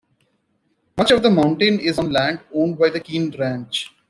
Much of the mountain is on land owned by the Keene Ranch.